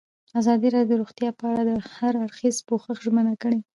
ازادي راډیو د روغتیا په اړه د هر اړخیز پوښښ ژمنه کړې.